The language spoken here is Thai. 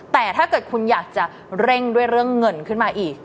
แต่ถ้าเกิดคุณอยากจะเร่งด้วยเรื่องเงินขึ้นมาอีก